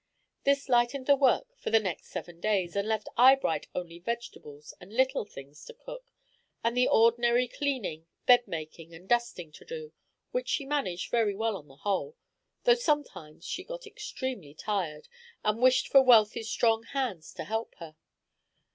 This lightened the work for the next seven days, and left Eyebright only vegetables and little things to cook, and the ordinary cleaning, bed making, and dusting to do, which she managed very well on the whole, though sometimes she got extremely tired, and wished for Wealthy's strong hands to help her.